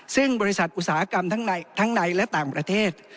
ซึ่งบริษัทอุตสาหกรรมทั้งในและต่างประเทศ